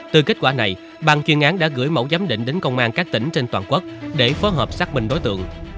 từ kết quả này bàn chuyên án đã gửi mẫu giám định đến công an các tỉnh trên toàn quốc để phối hợp xác minh đối tượng